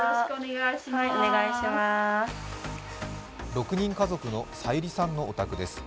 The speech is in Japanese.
６人家族のさゆりさんのお宅です。